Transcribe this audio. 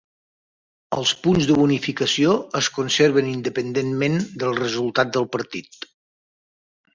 Els punts de bonificació es conserven independentment del resultat del partit.